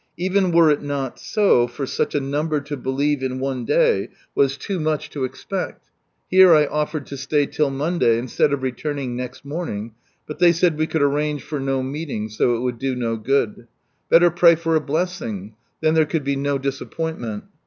Even were it not so, for such a number to believe in one day was too much to expect (here I offered to slay till Monday, instead of returning next morning, but they said we could arrange for no meetings, so it would do no good) — better pray for a '■ blessing :" then there could be no disappointment